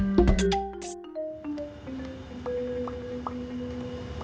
jeniper berapa umur